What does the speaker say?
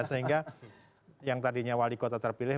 sehingga yang tadinya wali kota terpilih